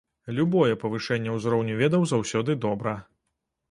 Любое павышэнне ўзроўню ведаў заўсёды добра.